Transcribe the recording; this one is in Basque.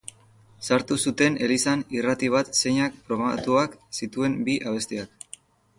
Sartu zuten elizan irrati bat zeinak programatuak zituen bi abestiak.